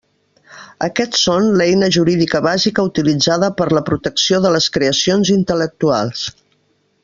Aquests són l'eina jurídica bàsica utilitzada per a la protecció de les creacions intel·lectuals.